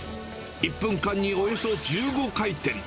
１分間におよそ１５回転。